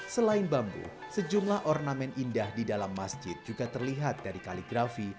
selain bambu sejumlah ornamen indah di dalam masjid juga terlihat dari kaligrafi